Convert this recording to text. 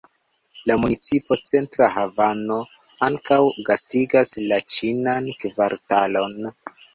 La municipo Centra havano ankaŭ gastigas la Ĉinan kvartalon.